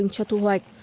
cho thu hoạch